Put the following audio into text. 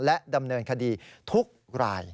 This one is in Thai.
และดำเนินคดีทุกราย